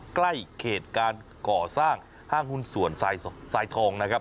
ใกล้เขตการก่อสร้างห้างหุ้นส่วนทรายทองนะครับ